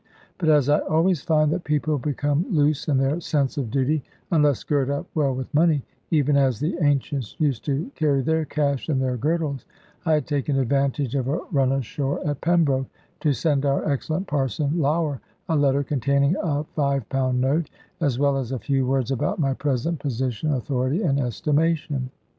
But as I always find that people become loose in their sense of duty, unless girt up well with money (even as the ancients used to carry their cash in their girdles), I had taken advantage of a run ashore at Pembroke, to send our excellent Parson Lougher a letter containing a £5 note, as well as a few words about my present position, authority, and estimation.